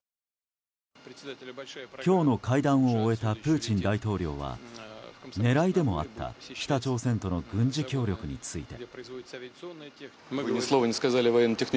今日の会談を終えたプーチン大統領は狙いでもあった北朝鮮との軍事協力について。